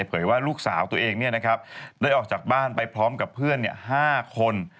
ว่าลูกสาวตัวเองได้ออกจากบ้านไปพร้อมกับเพื่อน๕คน